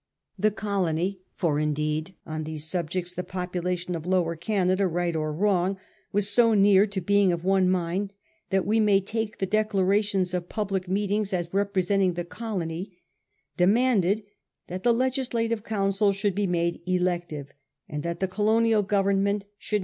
The colony — for indeed on these subjects the population of Lower Canada, right or wrong, was so near to being of one mind that we may take the de clarations of public meetings as representing the colony — demanded that the legislative council should be made elective, and that the colonial government should 54 A HISTORY OF OUR OWN TIMES. on. m.